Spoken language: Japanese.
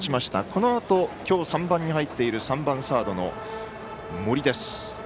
このあと、今日３番に入っている３番サードの森です。